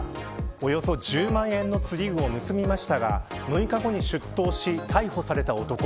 およそ１０万円の釣り具を盗みましたが６日後に出頭し逮捕された男。